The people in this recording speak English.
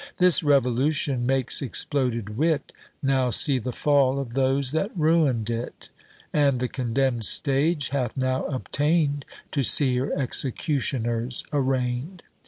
This revolution makes exploded wit Now see the fall of those that ruin'd it; And the condemned stage hath now obtain'd To see her executioners arraign'd.